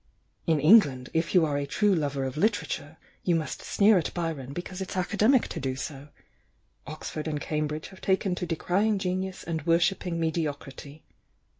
In England, if you are a true lover of literature, you must sneer at Byron because it's academic to do so — Oxford and Cambridge have taken to decrying genius and wor shipping mediocrity.